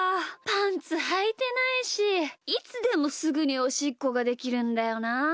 パンツはいてないしいつでもすぐにおしっこができるんだよなあ。